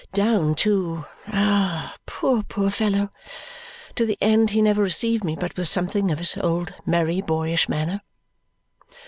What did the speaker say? Down to ah, poor poor fellow! to the end, he never received me but with something of his old merry boyish manner.